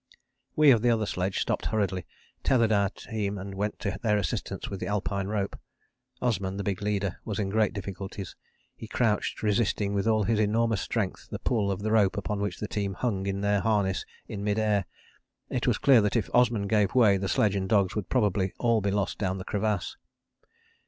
We of the other sledge stopped hurriedly, tethered our team and went to their assistance with the Alpine rope. Osman, the big leader, was in great difficulties. He crouched resisting with all his enormous strength the pull of the rope upon which the team hung in their harness in mid air. It was clear that if Osman gave way the sledge and dogs would probably all be lost down the crevasse.